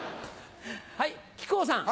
はい木久扇さん。